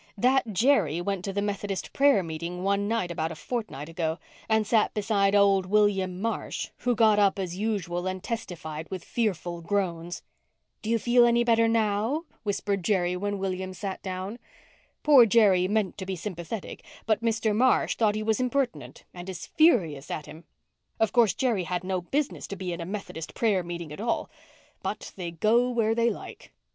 "That Jerry went to the Methodist prayer meeting one night about a fortnight ago and sat beside old William Marsh who got up as usual and testified with fearful groans. 'Do you feel any better now?' whispered Jerry when William sat down. Poor Jerry meant to be sympathetic, but Mr. Marsh thought he was impertinent and is furious at him. Of course, Jerry had no business to be in a Methodist prayer meeting at all. But they go where they like."